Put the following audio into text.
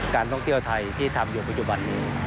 การท่องเที่ยวไทยที่ทำอยู่ปัจจุบันนี้